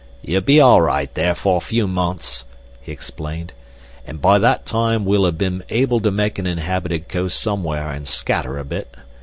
"You'll be all right there for a few months," he explained, "and by that time we'll have been able to make an inhabited coast somewhere and scatter a bit.